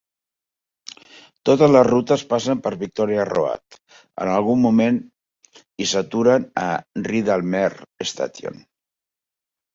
Totes les rutes passen per Victoria Road en algun moment i s'aturen a Rydalmere Station.